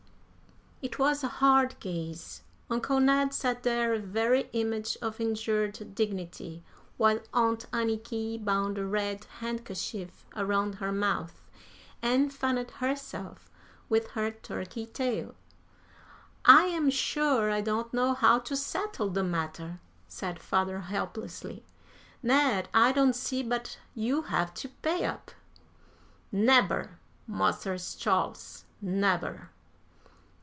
It was a hard case. Uncle Ned sat there a very image of injured dignity, while Aunt Anniky bound a red handkerchief around her mouth and fanned herself with her turkey tail. "I am sure I don't know how to settle the matter," said father, helplessly. "Ned, I don't see but that you'll have to pay up." "Neber, Mars' Charles, neber."